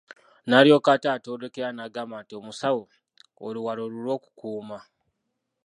N'alyoka ate atwolekera n'agamba nti omusawo oluwalo lulwo okukuuma.